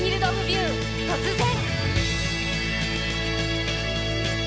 「突然」。